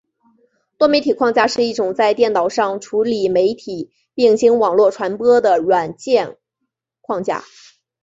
多媒体框架是一种在电脑上处理媒体并经网络传播的软件框架。